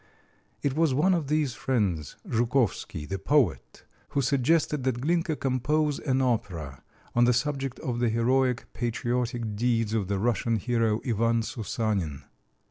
It was one of these friends, Joukovsky, the poet, who suggested that Glinka compose an opera on the subject of the heroic patriotic deeds of the Russian hero, Ivan Soussanin.